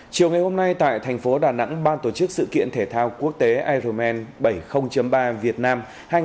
chiều ngày hôm nay tại thành phố đà nẵng ban tổ chức sự kiện thể thao quốc tế ironman bảy mươi ba việt nam